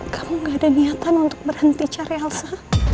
kamu gak ada niatan untuk berhenti cari alsa